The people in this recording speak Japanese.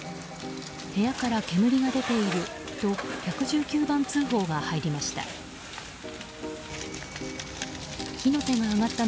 部屋から煙が出ていると１１９番通報が入りました。